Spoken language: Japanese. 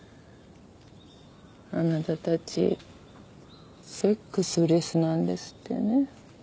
あなたたちセックスレスなんですってね。